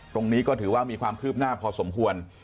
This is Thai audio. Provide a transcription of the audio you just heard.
ตรงนี้ก็ถือว่ามีความคืบหน้าพอสมควร